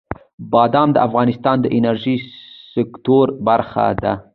بادام د افغانستان د انرژۍ سکتور برخه ده.